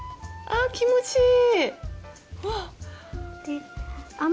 ああ気持ちいい！